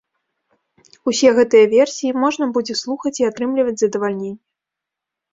Усе гэтыя версіі можна будзе слухаць і атрымліваць задавальненне.